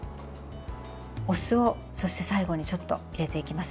お酢を、そして最後にちょっと入れていきます。